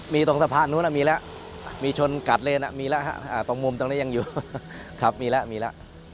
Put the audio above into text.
มีตรงสะพานนู้นมีแล้วมีชนกัดเลนมีแล้วฮะตรงมุมตรงนี้ยังอยู่ครับมีแล้วมีแล้ว